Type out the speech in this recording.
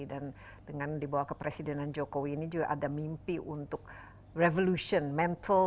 dan dengan dibawa ke presidenan jokowi ini juga ada mimpi untuk revolution mental